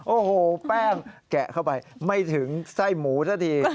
โอ้โหแป้งแกะเข้าไปไม่ถึงไส้หมูซะดี